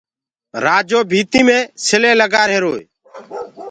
رآجو ڀيٚتيٚ مي سلينٚ لگآهيروئو